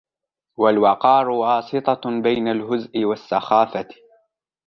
وَالْوَقَارُ وَاسِطَةٌ بَيْنَ الْهُزْءِ وَالسَّخَافَةِ